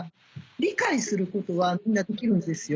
理解することはみんなできるんですよ。